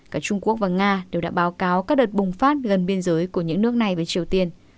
cả trung quốc và nga đều đã báo cáo các đợt bùng phát gần biên giới của những nước này với triều tiên